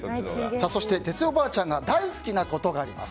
そして、哲代おばあちゃんが大好きなことがあります。